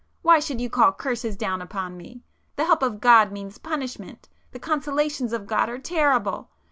Why should you call curses down upon me? The help of God means punishment,—the consolations of God are terrible!